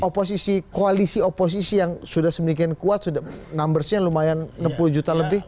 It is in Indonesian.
oposisi koalisi oposisi yang sudah semakin kuat numbers nya lumayan enam puluh juta lebih